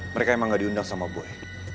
mereka emang gak diundang sama buy